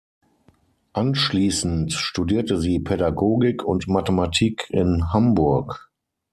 Anschließend studierte sie Pädagogik und Mathematik in Hamburg.